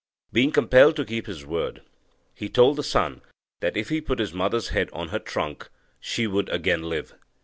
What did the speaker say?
Being compelled to keep his word, he told the son that, if he put his mother's head on her trunk, she would again live.